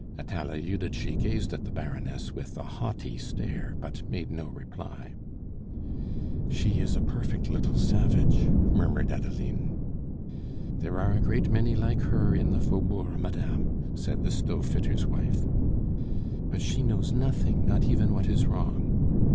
Atala Judici gazed at the Baroness with a haughty stare, but made no reply. "She is a perfect little savage," murmured Adeline. "There are a great many like her in the Faubourg, madame," said the stove fitter's wife. "But she knows nothing not even what is wrong.